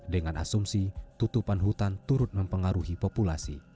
dengan asumsi tutupan hutan turut mempengaruhi populasi